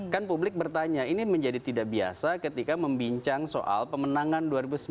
kan publik bertanya ini menjadi tidak biasa ketika membincang soal pemenangan dua ribu sembilan belas